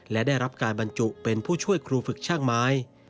และได้รับการบรรจุเป็นผู้ช่วยครูฝึกช่างไม้